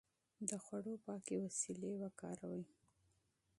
د خوړو پاکې وسيلې وکاروئ.